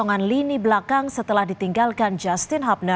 saya tidak bisa melakukan apa yang saya bisa